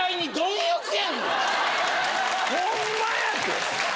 ホンマやて！